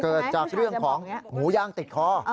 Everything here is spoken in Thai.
เกิดจากเรื่องของหมูย่างติดคอ